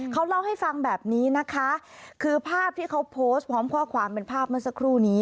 เขาเล่าให้ฟังแบบนี้นะคะคือภาพที่เขาโพสต์พร้อมข้อความเป็นภาพเมื่อสักครู่นี้